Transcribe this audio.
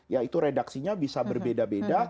ya itu redaksinya bisa berbeda beda